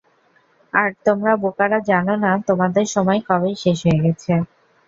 আর তোমরা বোকারা জানো না তোমাদের সময় কবেই শেষ হয়ে গেছে।